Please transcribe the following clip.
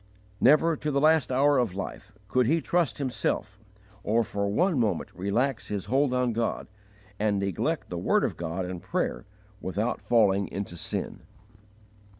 Never, to the last hour of life, could he trust himself, or for one moment relax his hold on God, and neglect the word of God and prayer, without falling into sin.